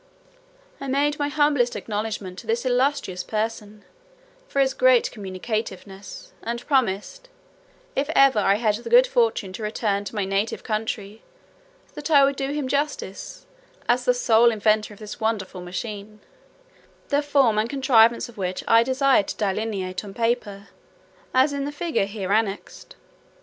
I made my humblest acknowledgment to this illustrious person, for his great communicativeness; and promised, "if ever I had the good fortune to return to my native country, that I would do him justice, as the sole inventor of this wonderful machine;" the form and contrivance of which I desired leave to delineate on paper, as in the figure here annexed.